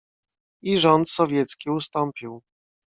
"I rząd sowiecki ustąpił."